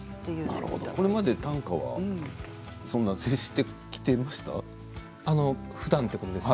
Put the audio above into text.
これまで短歌は接してきていますか？